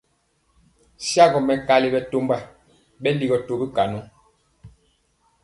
Shagɔ mɛkali bɛtɔmba bɛ ligɔ tɔ bikaŋɔ.